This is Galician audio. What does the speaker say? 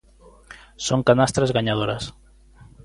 Son canastras gañadoras.